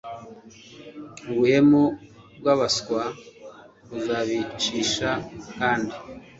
ubuhemu bw abaswa buzabicisha kandi